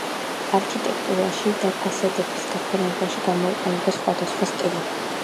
არქიტექტურაში და ფასადების გაფორმებაში გამოიყენება სხვადასხვა სტილი.